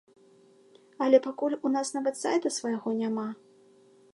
Але пакуль у нас нават сайта свайго няма.